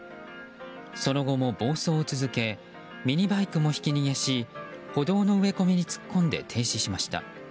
その後も暴走を続けミニバイクもひき逃げし歩道の植え込みに突っ込んで停止しました。